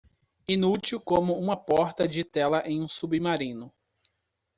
Inútil como uma porta de tela em um submarino.